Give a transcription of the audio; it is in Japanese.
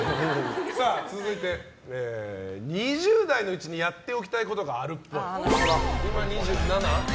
続いて、２０代のうちにやっておきたいことがあるっぽい。